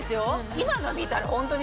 今の見たらホントに。